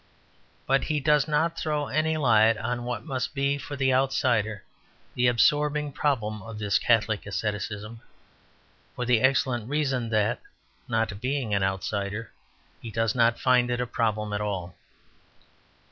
But he does not throw any light on what must be for the outsider the absorbing problem of this Catholic asceticism, for the excellent reason that not being an outsider he does not find it a problem at all.